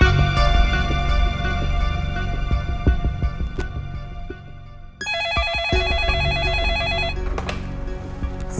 tidak ada yang baik